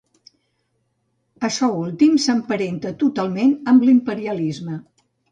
Açò últim s'emparenta totalment amb l'imperialisme.